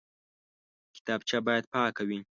کتابچه باید پاکه وي